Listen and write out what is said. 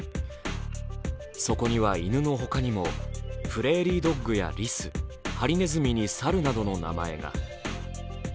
そこには犬の他にもプレーリードッグやリスハリズミにサルなどの名前が。